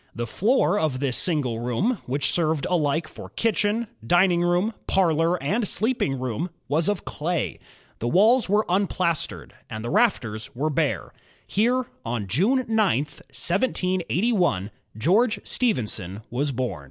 The floor of this single room, which served alike for kitchen, dining room, parlor, and sleeping room, was of clay. The walls were implastered, and the rafters were bare. Here, on Jime 9, 1781, George Stephenson was bom.